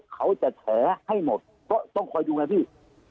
เขาจะแฉให้หมดก็ต้องคอยดูไงพี่